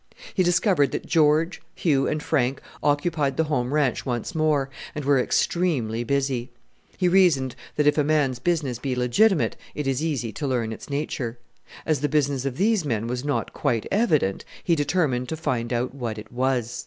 He discovered that George, Hugh, and Frank occupied the home ranch once more, and were extremely busy. He reasoned that if a man's business be legitimate, it is easy to learn its nature. As the business of these men was not quite evident, he determined to find out what it was.